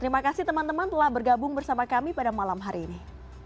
terima kasih teman teman telah bergabung bersama kami pada malam hari ini